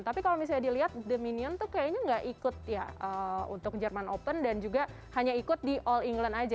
tapi kalau misalnya dilihat the minion tuh kayaknya gak ikut ya untuk jerman open dan juga hanya ikut di all england aja